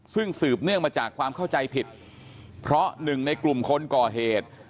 ซึ่งสืบเนื่องมาจากความเข้าใจผิดเพราะหนึ่งในกลุ่มคนก่อเหตุ